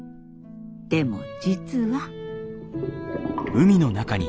でも実は。